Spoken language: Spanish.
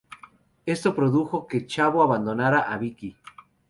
Esto produjo que Chavo abandonara a Vickie.